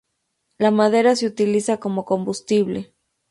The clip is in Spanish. La madera se utiliza como combustible.